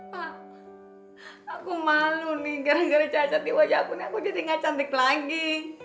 aku malu nih gara gara cacat di wajah aku nih aku jadi gak cantik lagi